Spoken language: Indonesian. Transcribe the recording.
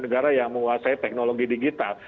negara yang menguasai teknologi digital